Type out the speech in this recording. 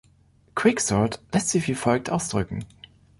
Quicksort lässt sich wie folgt ausdrücken.